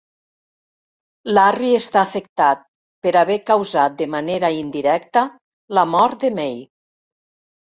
Larry està afectat per haver causat de manera indirecta la mort de May.